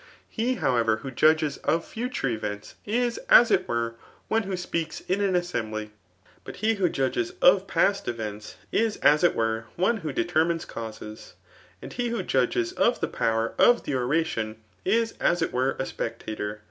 Hf, however, who judges of future events, is as it were one who speaks ia an assembly ; but he who judges of prevents, is as it were one who determines causes f and be who judges of the power [of the oration,] is as it were a spectator.